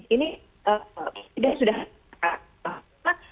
ini sudah terbang